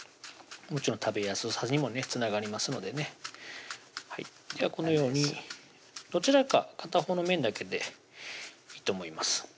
もちろん食べやすさにもねつながりますのでねではこのようにどちらか片方の面だけでいいと思います